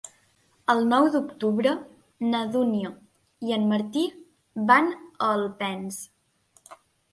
El nou d'octubre na Dúnia i en Martí van a Alpens.